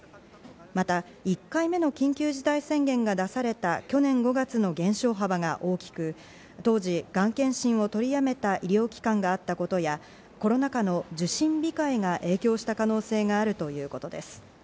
また１回目の緊急事態宣言が出された去年５月の減少幅が大きく、当時がん検診を取りやめた医療機関があったことや、コロナ禍の受診控えが影響した可能性があるということです。